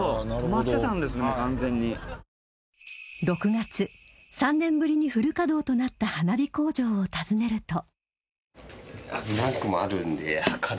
６月、３年ぶりにフル稼働となった花火工場を訪ねると。